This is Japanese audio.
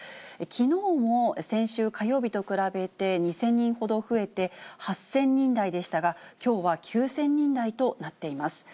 きのうも先週火曜日と比べて２０００人ほど増えて８０００人台でしたが、きょうは９０００人台となっています。